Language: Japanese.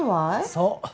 そう。